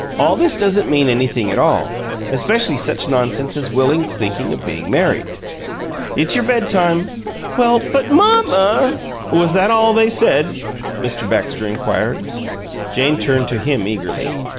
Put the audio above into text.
"All this doesn't mean anything at all, especially such nonsense as Willie's thinking of being married. It's your bedtime." "Well, but MAMMA " "Was that all they said?" Mr. Baxter inquired. Jane turned to him eagerly.